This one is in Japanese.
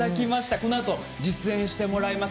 このあと実演していただきます。